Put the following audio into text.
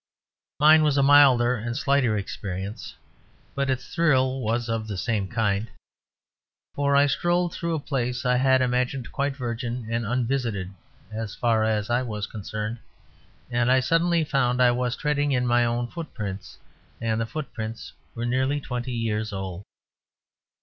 Mine was a milder and slighter experience, but its thrill was of the same kind. For I strolled through a place I had imagined quite virgin and unvisited (as far as I was concerned), and I suddenly found I was treading in my own footprints, and the footprints were nearly twenty years old.